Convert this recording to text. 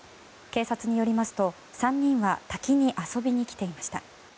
警察によりますと３人は滝に遊びに来ていました。